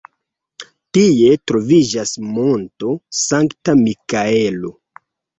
Tie troviĝas Monto Sankta Mikaelo.